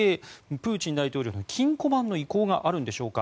プーチン大統領の金庫番の意向があるんでしょうか。